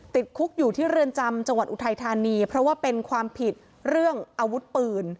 ติดคุกอยู่ที่เรือนจำจังหวัดอุทัยธานีเพราะว่าเป็นความผิดเรื่องอาวุธปืน